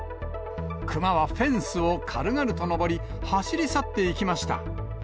クマはフェンスを軽々と登り、走り去っていきました。